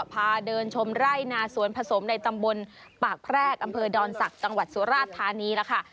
พาเดินชมไร่นาสวนผสมในตำบลปากแพรกอำเภอดอนศักดิ์จังหวัดสุราชธานีแล้วค่ะ